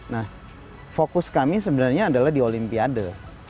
nah fokus kami sebenarnya adalah di olimpiade